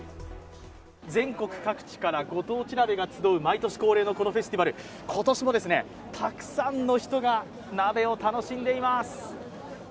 全国各地からご当地鍋が集う毎年恒例のこのフェスティバル、今年もたくさんの人が鍋を楽しんでいます。